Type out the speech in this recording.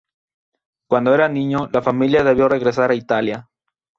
Cuando era un niño la familia debió regresar a Italia.